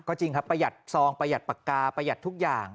ก็จริงครับประหยัดซองประหยัดปากกาประหยัดทุกอย่าง